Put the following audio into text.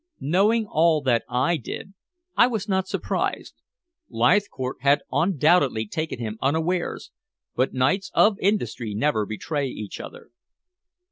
Knowing all that I did, I was not surprised. Leithcourt had undoubtedly taken him unawares, but knights of industry never betray each other.